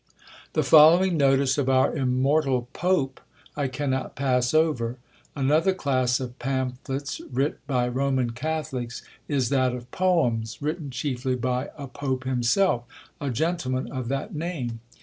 The following notice of our immortal Pope I cannot pass over: "Another class of pamphlets writ by Roman Catholics is that of Poems, written chiefly by a Pope himself, a gentleman of that name.